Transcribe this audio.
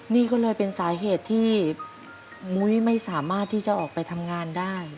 นี่ก็เลยเป็นสาเหตุที่มุ้ยไม่สามารถที่จะออกไปทำงานได้